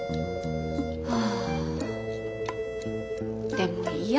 でもいいや。